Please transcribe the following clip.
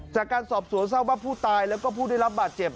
จากการสอบสวนทราบว่าผู้ตายแล้วก็ผู้ได้รับบาดเจ็บ